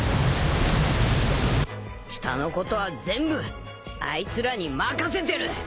下のことは全部あいつらに任せてる！